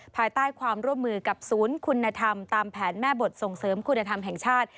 ภายใต้ความร่วมมือกับศูนย์คุณธรรมตามแผนแม่บทส่งเสริมคุณธรรมแห่งชาติ